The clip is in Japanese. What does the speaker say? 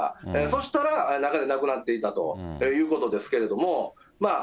そしたら中で亡くなっていたということですけれども。